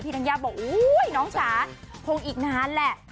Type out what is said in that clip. พี่ดังยาวบอกโอ๊ยน้องจ๋าพงอีกนานแหละ